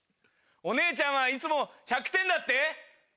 お姉ちゃんはいつも１００点だって？